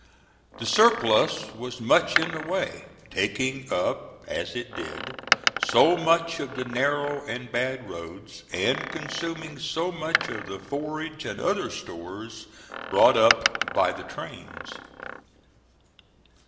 The surplus was much in the way, taking up as it did so much of the narrow and bad roads, and consuming so much of the forage and other stores brought up by the trains.